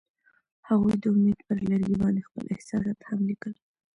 هغوی د امید پر لرګي باندې خپل احساسات هم لیکل.